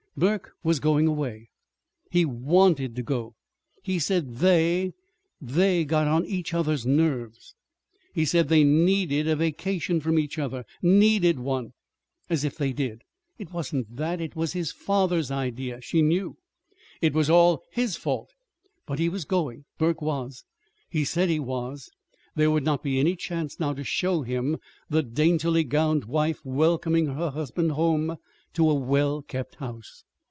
Burke was going away. He wanted to go. He said they they got on each other's nerves. He said they needed a vacation from each other. Needed one! As if they did! It wasn't that. It was his father's idea. She knew. It was all his fault! But he was going Burke was. He said he was. There would not be any chance now to show him the daintily gowned wife welcoming her husband home to a well kept house.